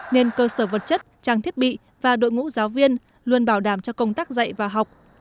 nên cơ sở vật chất trang thiết bị và đội ngũ giáo viên luôn bảo đảm cho công tác dạy và học